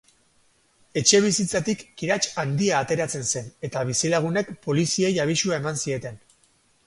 Etxebizitzatik kirats handia ateratzen zen, eta bizilagunek poliziei abisua eman zieten.